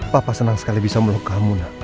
papa senang sekali bisa melukamu nak